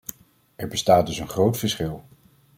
Er bestaat dus een groot verschil.